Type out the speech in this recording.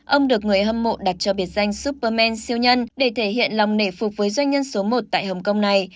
ông được người hâm mộ đặt cho biệt danh superman siêu nhân để thể hiện lòng nể phục với doanh nhân số một tại hồng kông này